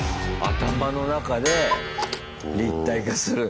頭の中で立体化する。